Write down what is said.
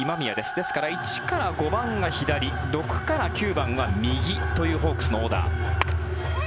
ですから１から５番が左６から９番は右というホークスのオーダー。